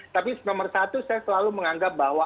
tapi nomor satu saya selalu menganggap bahwa